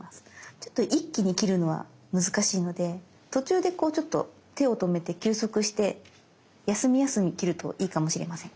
ちょっと一気に切るのは難しいので途中でこうちょっと手を止めて休息して休み休み切るといいかもしれません。